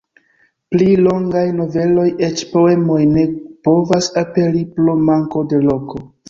Pli longaj noveloj, eĉ poemoj ne povas aperi pro manko de loko.